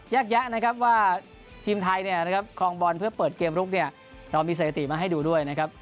แยกว่าทีมไทยคลองบอลเพื่อเปิดเกมรุกเรามีเสนอตรีมาให้ดูด้วย